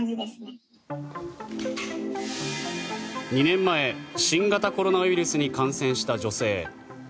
２年前新型コロナウイルスに感染した女性。